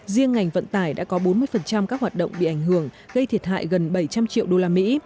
riêng ngành vận tải đã có bốn mươi các hoạt động bị ảnh hưởng gây thiệt hại gần bảy trăm linh triệu usd